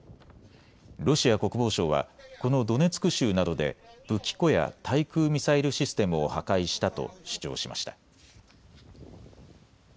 ロシア国防省はこのドネツク州などで武器庫や対空ミサイルシステムを破壊したと主張しました。